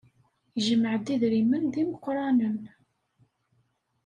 Yejmeɛ-d idrimen d imeqranen.